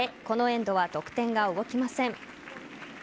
このエンドは得点が動きません。